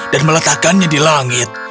dan meletakkannya di langit